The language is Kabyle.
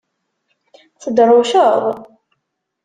Tedrewceḍ?